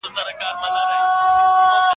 هر فاميل پر يوه يا دوو اولادونو بسنه کوله.